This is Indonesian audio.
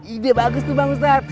ide bagus tuh bang ustadz